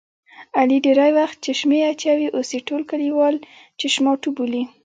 علي ډېری وخت چشمې اچوي اوس یې کلیوال چشماټو بولي.